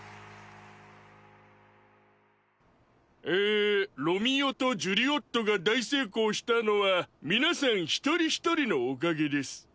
ええ「ロミ代とジュリ夫」が大成功したのは皆さん一人一人のおかげです。